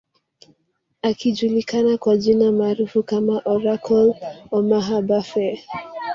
Akijulikana kwa jina maarufu kama Oracle Omaha Buffet